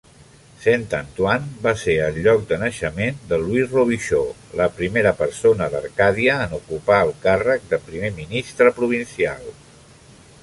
Saint-Antoine va ser el lloc de naixement de Louis Robichaud, la primera persona d'Arcàdia en ocupar el càrrec de primer ministre provincial.